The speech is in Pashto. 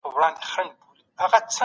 ناسته وي تنهــا پــر پـاڼــه